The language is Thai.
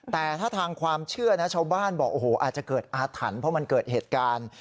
แต่ถ้าทางความเชื่อนะชาวบ้านบอกโอ้โหอาจจะเกิดอาถรรพ์เพราะมันเกิดเหตุการณ์